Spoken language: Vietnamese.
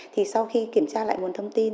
thì sau khi kiểm tra lại nguồn thông tin